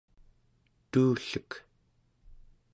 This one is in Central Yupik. tuullek